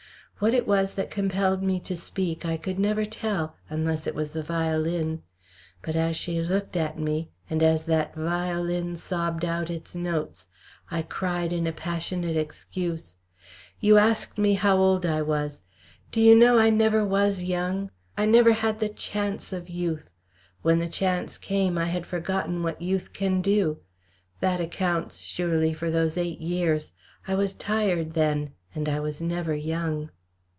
What it was that compelled me to speak I could never tell, unless it was the violin. But as she looked at me, and as that violin sobbed out its notes, I cried in a passionate excuse: "You asked me how old I was. Do you know I never was young I never had the chance of youth! When the chance came, I had forgotten what youth can do. That accounts, surely, for those eight years. I was tired then, and I was never young."